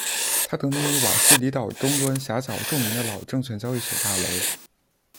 它得名于瓦西里岛东端岬角著名的老证券交易所大楼。